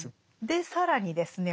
で更にですね